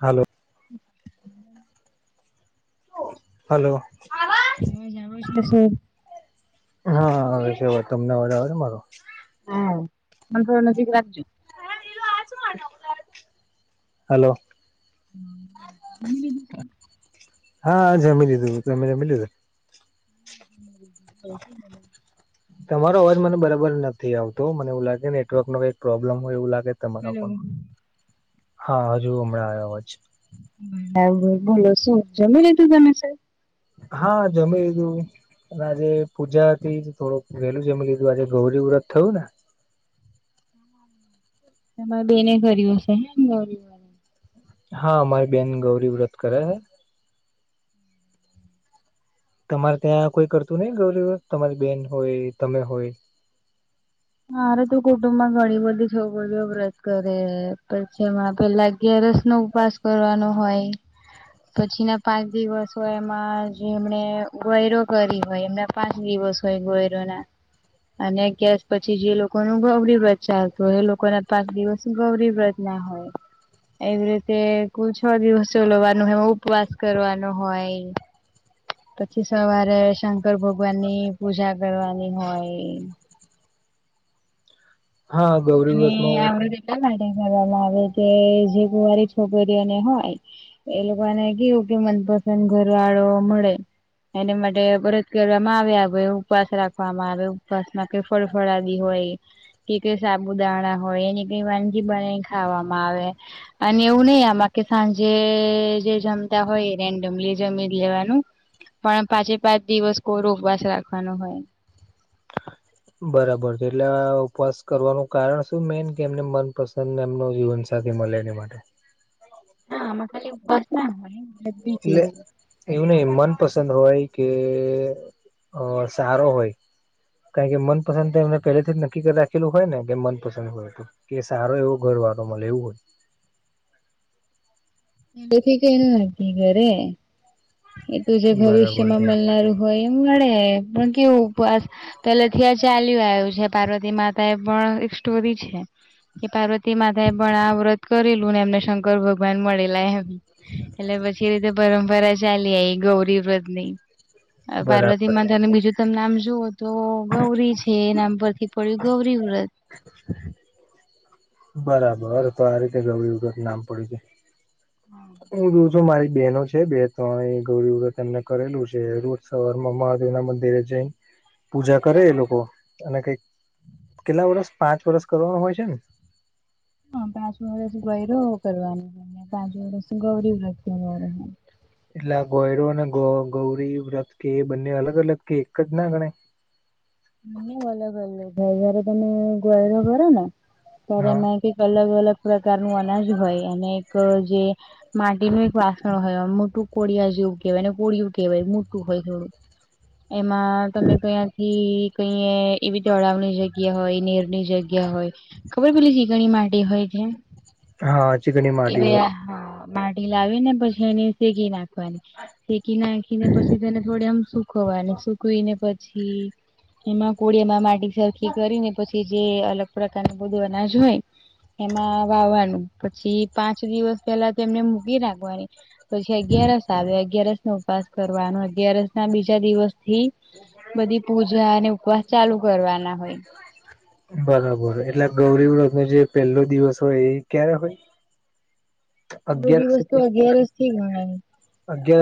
Hello [inaudible] hello [inaudible] [unintelligible] હા આવે છે. તમને અવાજ આવે છે મારો? હા આમ તો નજીક રાખજો. [inaudible] હલો [unintelligible] હા જમી લીધું તમે જમી લીધું? [inaudible] તમારો અવાજ મને બરાબર નથી આવતો, મને એવું લાગે નેટવર્ક નો કઈક પ્રોબ્લમ હોય એવું લાગે. તમારા હેલો ફોન મા. હા હજુ હમણાં આયો આવાજ. બરાબર બોલો શું જનીલીધું તમે સર? હા જમીલીધું. અને આજે પૂજા હતી તો થોડું વેલું જમી લીધું, આજે ગૌરી વ્રત થયું ને. [inaudible] તામરા બેને કર્યું હશે ને ગૌરી વ્રત? હા મારી બેન ગૌરી વ્રત કરે હે. તમારે ત્યાં કોઈ કરતું નઈ ગૌરી તમારી બેન હોય તમે હોય? મારે તું કુટુંબ માં ઘણી બધી છોકરીઓ વ્રત કરે પછીમાં પેલા અગિયારસ નો ઉપવાસ કરવાનો હોય. પછી ના પાંચ દિવસ હોય એમાં જેમને ગોયરું કરી હોય એમના પાંચ દિવસ કઈ ગોયરું ના અને અગિયારસ પછી જે લોકો નું ગૌરી વ્રત ચાલતું હોય એ લોકો ના પાંચ દિવસ ગૌરી વ્રત ના હોય. એવી રીતે કુલ છ દિવસ ચલવવાનું હોય ઉપવાસ કરવાનો હોય. [inaudible] પછી સવારે શંકર ભગવાનની પૂજા કરવાની હોય. હા [unintelligible] અને આ બધું એટલા માટે કરવામાં આવે કે જે કુવારી છોકરીઓને હોય એ લોકો ને કેવું કે મનપસંદ ઘરવાળો મળે. એને માટે વ્રત કરવામાં આવે ઉપવાસ રાખવામાં આવે ઉપવાસમાં કઈ ફળ ફળાદી હોય કે કઈ સાબુદાણા હોય એને કઈ વાનગી બનાવિને ખાવામાં આવે. અને એવું નહી આમાં કે સાંજે જે જમતા હોય રેન્ડમલી જમી લેવાનું પણ પાંચે પાંચ દિવસ કોરો ઉપવાસ રાખવાનો હોય. બરાબર છે. એટલે આ ઉપવાસ કરવાનું કારણ શું મેન કે એમને મનપસંદ તમને એમનો જીવનસાથી મળે એની માટે. ના આમાં ખાલી ઉપવાસ ન હોય એટલે [unintelligible] એવું નહિ મનપસંદ હોય કે અ સારો હોય? કારણ કે મનપસંદ તો એમને પહેલેથી જ નક્કી કરી રાખેલું હોય ને કે મનપસંદ હોય. કે સારો એવો ઘર વાળો મલે એવું હોય? [unintelligible] એ તો જે હોય બરાબર ભવિષ્યમાં છે મળનારું હોય એમ મળે પણ કેવું ઉપવાસ પેલે થી આ ચાલ્યું આવ્યું છે, પાર્વતી માતા એ પણ એક સ્ટોરી છે. કે પાર્વતી માતાએ પણ આ વ્રત કરેલું ને એમને શંકર શંકર ભગવાન મળેલા એમ એટલે પછી એ રીતે પરંપરા ચાલી આવી ગૌરી વ્રતની આ પાર્વતી બરાબર માતા અને બીજું તમે નામ જુઓ તો ગૌરી છે એ નામ પરથી પડ્યું ગૌરી વ્રત. બરાબર તો આ રીતે ગૌરીવ્રત નામ પડ્યું કે હા હું રઉછુ મારી બેહેનો છે બે તણ ગૌરીવ્રત એમને કરેલું છે સવાર માં મહાદેવ ના મંદિરે જઈ પૂજા કરે એ લોકો અને કઈક કેટલા વર્ષ પાંચ વરષ કરવાનું હોય છે ને હા પાંચ વર્ષ ગોયરો કરવાનોને પાંચ વર્ષ ગૌરી વ્રત કરવાનું એટલે ગોયરો અને ગૌરી વ્રત કે બંને અલગ અલગ કે એક જ ના ગણાય બંને અલગ અલગ [unintelligible] તમે ગોયરો કરો ને ત્યારે હા [unintelligible] અલગ અલગ પ્રકાર નુ અનાજ હોય અને એક જે માટીનું એક વાસણ હોય એ મોટું કોડીયા જેવું કહેવાય એને કોડિયું કહેવાય મોટું હોય થોડું એમાં તમે કયાથી કઈ એવી તળાવની જગ્યા હોય નીરની જગ્યા હોય ખબર પેલી ચીકણી માટી હોય [unintelligible] હા ચિકણી માટી એવે હોય હા માટી લાવી ને પછી એની ભેગી નાખવાની [unintelligible] નાખી ને પછી તેને થોડી આમ સુકવાને સુખવીને પછી એમાં કોડીયા માં માટી સરખી કરી ને પછી જે અલગ પ્રકાર નું બધું અનાજ હોય એમાં વાવવાનું પછી પાંચ દિવસ પેલા તેમને મૂકી રાખવાની પછી અગિયારસ આવે અગિયારસ નો ઉપાસ કરવાનો અગિયારસ ના બીજા દિવસ થી બધી પૂજા અને ઉપવાસ ચાલુ કરવાના હોય બરાબર એટલે ગૌરી વ્રત નો જે પહેલો દિવસ હોય એ ક્યારે હોય પેલો અગિયારસ દિવસ તો અગિયારસ થી ગણાય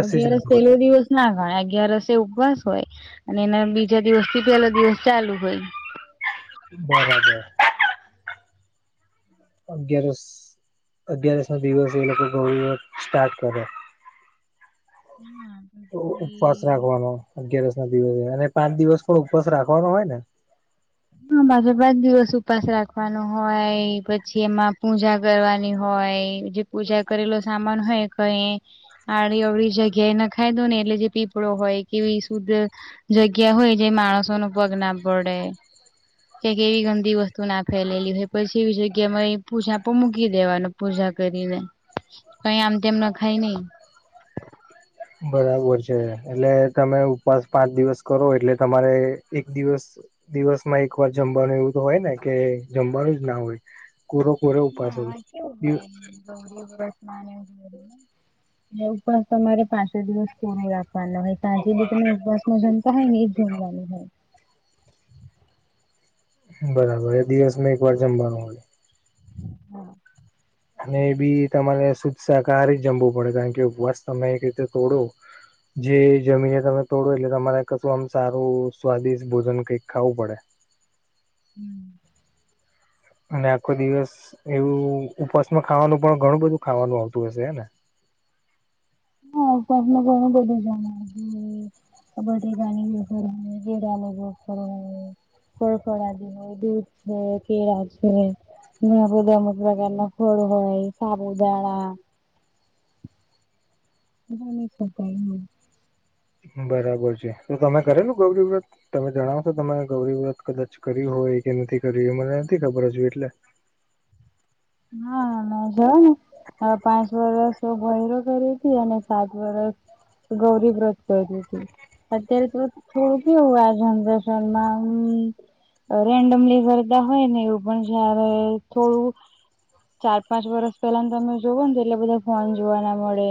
અગિયારસ પેલો દિવસ ના ઘણા અગિયારસે ઉપવાસ હોય અને એના બીજા દિવસ થી પેલો દિવસ ચાલુ હોય બરાબર અગિયારસ અગિયારસ નાો દિવસ એ લોકો ગૌરી વ્રત સ્ટાર્ટ કરે હા ઉપવાસ રાખવાનો અગિયારસ ના દિવસે અને પાંચ દિવસ પણ ઉપવાસ રાખવાનો હોય ને હા પાંચે પાંચ દિવસ ઉપાસ રાખવાનો હોય પછી એમાં પૂજા કરવાની હોય જે પૂજા કરેલો સામાન હોય કઈ આડી અવળી જગ્યાએ નખાઈ દો ને એટલે જે પીપળો હોય કેવી શુદ્ધ જગ્યા હોય જે માણસો નો પગ ના પડે ક્યાક એવી ગંદી વસ્તુ ના ફેલેલી હોય પછી એવી જગ્યા મા એ પૂજાપો મૂકી દેવાનો પૂજા કરીને હ કઈ આમ તેમ નખાય નઈ બરાબર છે એટલે તમે ઉપવાસ પાંચ દિવસ કરો એટલે તમારે એક દિવસ દિવસમાં એક વાર જમવાનું એવું તો હોય ને કે જમવાનું જ ના હોય કોરો કોરો ઉપવાસ હોય ના [unintelligible] કેવું હોય ગૌરી વ્રત મા [unintelligible] એ ઉપાસ તમારે પાંચે દિવસ કોરો રાખવાનો હોય ત્યાંજે બી તમે ઉપવાસમાં જમતા હોય ને એ જમવાનું હોય બરાબર એ દિવસમાં એક વાર જમવાનું હોય હા અને એ બી તમારે શુદ્ધ સાકાહારી જમવું પડે કારણ કે ઉપવાસ તમે એક રીતે તોડો જે જમીને તમે તોડો એટલે તમારે કશું આમ સારું સ્વાદિષ્ટ ભોજન કંઈક ખાવું પડે હમ અન આખો દિવસ એવું ઉપાસમાં ખાવાનું પણ ઘણું બધું ખાવાનું આવતું હશે હે ને? હા ઉપવાસમાં ઘણું બધું જમા [unintelligible] આ બટેકાની વેફર હોય, કેળાંની વેફર હોય ફળ ફળાદી હોય, દૂધ છે, કેળાં છે ઘણાં બધાં અમુક પ્રકારના ફળ હોય, સાબુદાણા ગમે તે [unintelligible] બરાબર છે. તો તમે કરેલું ગૌરી વ્રત? તમે જણાવશો તમે ગૌરી વ્રત કદાચ કર્યું હોય કે નથી કર્યું. એ મને નથી હજુ એટલે હા [unintelligible] હા પાંચ વરસ મેં ગૌરી વ્રત કર્યુતુ અને સાત વરષ ગૌરી વ્રત કર્યુંતુ. અત્યારે તો થોડું કેવું આ જનરેસનમાં અ રેન્ડમલી ફરતાં હોય ને એવું પણ જ્યારે થોડું ચાર પાંચ વરસ પેલા ને તમે જોવો ને તો એટલે બધા ફોન જોવા ના મળે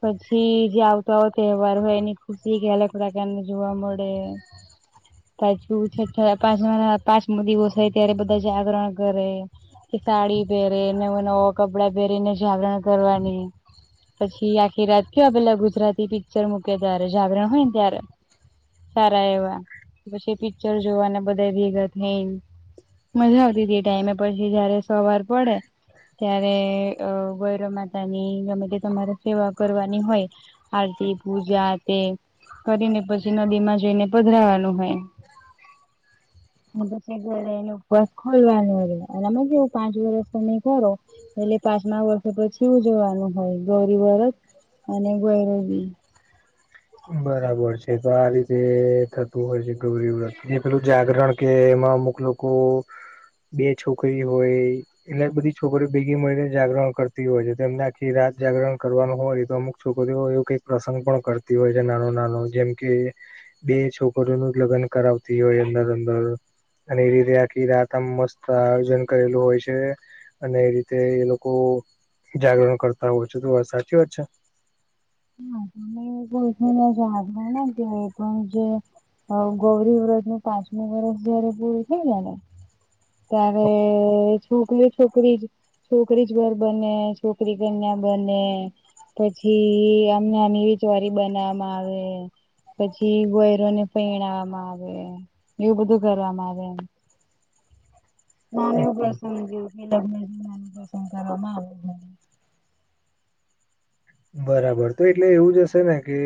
પછી જે આવતો આવ તહેવાર હોય એની ખુશી ક‌ઈ અલગ પ્રકારની જોવા મળે. [inaudible] પાછું છઠ્ઠા [unintelligible] પાંચમો દિવસ હોય ત્યારે બધાં જાગરણ કરે કે સાડી પહેરે. નવું નવા કપડાં પહેરીને જાગરણ કરવાની પછી આખી રાત કેવા પેલા ગુજરાતી પિક્ચર મૂકે ત્યારે જાગરણ હોય ને ત્યારે સારા એવા. પછી એ પિક્ચર જોવાના બધા ભેગા થ‌ઇન મજા આવતી હતી એ ટાઈમે. પછી જ્યારે સવાર પડે ત્યારે અ ગૌરી માતાની ગમે તે તમારે સેવા કરવાની હોય આરતી, પૂજા કે કરીને પછી નદીમાં જઈને પધરાવાનું હોય હ બસ ઘરે એનો ઉપવાસ ખોલવાનો હોય. આમાં તો કેવું પાંચ વર્ષ તમે કરો એટલે પાંચમા વર્ષે પછી ઉજવવાનું હોય ગૌરી વરત અને [unintelligible] બી બરાબર છે. તો આ રીતે થતું હોય છે ગૌરી વ્રત. ને પેલું જાગરણ કે એમાં અમુક લો કો બે છોકરી હોય એટલે બધી છોકરીઓ ભેગી મળીને જાગરણ કરતી હોય છે. એમને આખી રાત જાગરણ કરવાનું હોય તો અમુક છોકરીઓ એવું કંઈક પ્રસંગ પણ કરતી હોય છે નાનો નાનો જેમ કે બે છોકરીઓનું લગ્ન કરાવતી હોય અંદર અંદર અને એ રીતે આખી રાતમાં મસ્ત આયોજન કરેલું હોય છે. અને એ રીતે એ લોકો જાગરણ કરતાં હોય છે. તો આ સાચી વાત છે? [unintelligible] ક્યાંય પણ હજુ [unintelligible] નથી આવું પણ જે મારુ ગૌરી વ્રતનું પાંચમું વરષ જ્યારે પૂરું થઈલુ ને ત્યારે છોકરી છોકરી જ છોકરી જ વર બને છોકરી કન્યા બને પછી એમને આમ એવી જોરી બનાવામાં આવે પછી વયરોને પૈણાવામાં આવે. એવું બધું કરવામાં આવે એમ. [unintelligible] બરાબર તો એટલે એવું જ હશે ને કે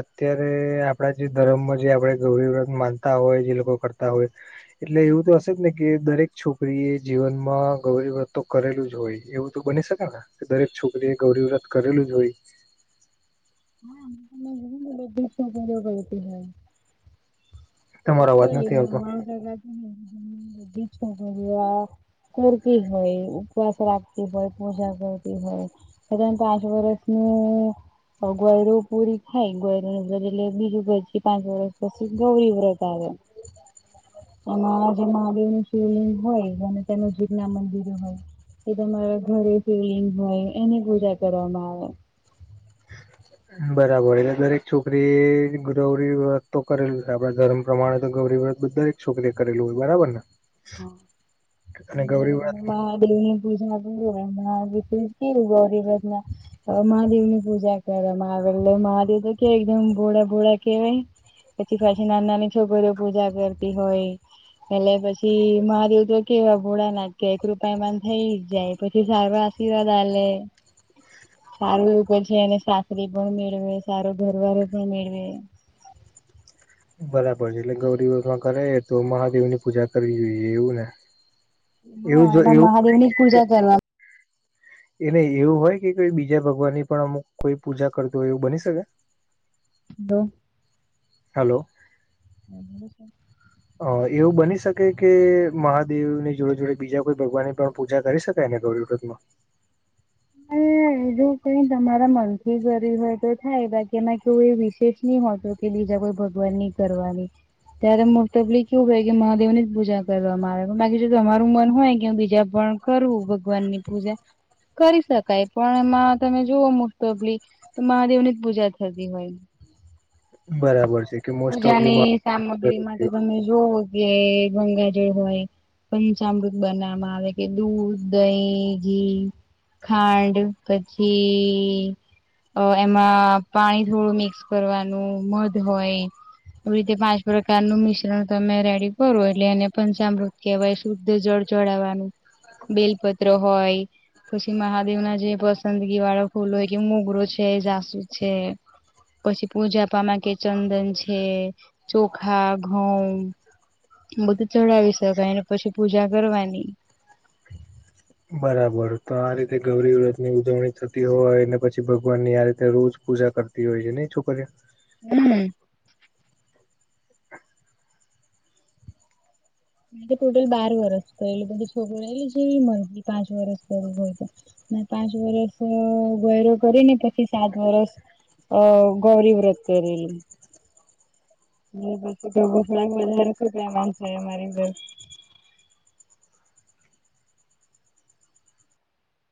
અત્યારે આપડા જે ધરમમાં આપડે ગૌરી વ્રત માન [unintelligible] હોય જે લોકો કરતાં હોય એટલે એવું તો હશે જ ને કે દરેક છોકરીએ જીવનમાં ગૌરી વ્રત તો કરેલું જ હોય. એવું તો બની શકે ને કે દરેક છોકરી એ ગૌરીવ્રત કરેલું જ હોય હા [unintelligible] કરતી હ. તમારો અવાજ નથી આવતો. નાના ટકાથી [unintelligible] કરતી હોય ઉપવાસ રાખતી હોય પૂજા કરતી હોય. એદ પાંચ વર્સનું ગયરોવ પુરી ખાય ગયરો નર બીજભર પાંચ વરષસ પછી ગૌરી વ્રત. આવે. એમાં જે મહાદેવની શિવલિંગ હોય અને તે નજીકના મંદિરો હોય એ તમારા ઘરે શિવલિંગ હોય એની પૂજા કરવામાં આવે. બરાબર એલે દરેક છોકરી ગૌરી વ્રત કરેલું છે આપણે ધર્મ પ્રમાણે તો ગૌરી વ્રત તો દરેક છોકરીએ કરેલું હોય બરાબરને? [unintelligible] હ મહાદેવની પૂજા કરવામાં આવે એટલે મહાદેવ તો કે એકદમ ભોળા ભોળા કેવાય. પછી પાછી ના નાની છોકરીઓ પૂજા કરતી હોય એટલે પછી મહાદેવ તો કેવા ભોળા નાખ એક રૂપામાંન થઈ જ જાય પછી સારો આશીર્વાદ આ લે સારું પછી એને સાકરી પણ મેળવે સારો ઘરવાળો પણ મેળવે બરાબર એટલે ગૌરી વ્રત કરે તો મહાદેવની પૂજા કરવી જોઈએ એવું ને એવું હા જો એમાં એવું મહાદેવની જ પૂજા કરવા એને એવું હોય કે કોઈ બીજા ભગવાનની પણ અમુક કોઈ પૂજા કરતૂ હોય એવું બની શકે બ હલો. [unintelligible] છે. અહ એવું બની શકે કે મહાદેવની જોડે જોડે બીજા કોઈ ભગવાનને પણ પૂજા કરી શકાયને ગૌરી વ્રતમાં. અને જો કઈ તમારા મનથી ગૌરી વ્રત થાય બાકી એમાં કેવું એ વિશેષ ની હોતો કે બીજા કોઈ ભગવાન નહી કરવાની ત્યારે મોસ્ટોપલી કેવું હોય કે મહાદેવ ની જ પૂજા કરવામાં આવે બાકી જો તમારું મન હોય કે બીજા પણ કરવું ભગવાનની પૂજા કરી શકાય પણ એમાં તમે જોવો મોંસ્ટોપલી તો મહાદેવની જ પૂજા થતી હોય. બરાબર છે કે મોસ્ટ ઓફલી પુજાની સામગ્રીમાં તો તમે જોવ જે ગંગાજળ હોય પંચમૃત બનાવવામાં આવે કે દૂધ દહીં ઘી ખાંડ પછી અહ એમાં પાણી થોડું મિક્સ કરવાનું મધ હોય આવી રીતે પાંચ પ્રકાર નું મિશ્રણ તમે રેડી કરો એટલે એને પંચામૃત કહેવાય શુદ્ધ જળ ચડાવવાનું બલપત્ર હોય પછી મહાદેવના જે પસંદગી ફૂલો હોય કે મોગરો છે જાસુદ છે. પછી પૂજા પામા કે ચંદન છે ચોખા ઘઉં બધું ચડાવી શકાય ને પછી પૂજા કરવાની બરાબર તો આ રીતે ગૌરી વ્રતની ઉજવણી થતી હોય ને પછી ભગવાનની આ રીતે રોજ પૂજા કરતી હોય છે ને એ છોકરયા? હમ્મ. મને તો ટોટલ બાર વરસ હોય છોકરીલે જે પાંચ વરસ કર હોય તો. હું પાંચ વરસ ગયરો કરીને પછી સાત વરસ અ ગૌરી વ્રત કરેલી. [inaudible] મારી [unintelligible]